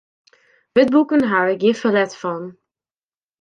Wurdboeken haw ik gjin ferlet fan.